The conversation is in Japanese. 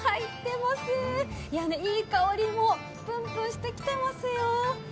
いい香りもぷんぷんしてきてますよ。